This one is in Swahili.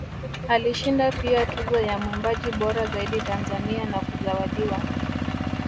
Alishinda pia Tuzo ya Mwimbaji bora zaidi Tanzania na kuzawadiwa